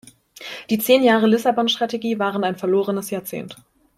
Die zehn Jahre Lissabon-Strategie waren ein verlorenes Jahrzehnt.